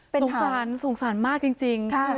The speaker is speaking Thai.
สงสารสงสารมากจริง